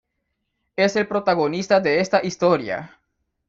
Es el protagonista de esta historia.